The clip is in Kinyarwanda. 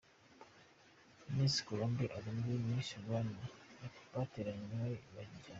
Miss Colombe ari muri ba Miss Rwanda batereranywe cyane.